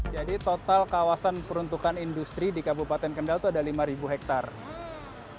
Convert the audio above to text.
jadi total kawasan peruntukan industri di kabupaten kendal itu ada lima hektare